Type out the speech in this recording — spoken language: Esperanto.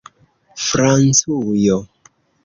francujo